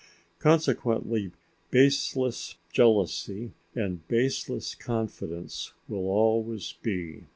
Consequently baseless jealousy and baseless confidence will always be.